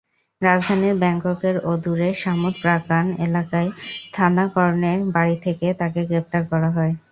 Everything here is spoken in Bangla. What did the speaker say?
রাজধানী ব্যাংককের অদূরে সামুত প্রাকান এলাকায় থানাকর্নের বাড়ি থেকে তাঁকে গ্রেপ্তার করা হয়।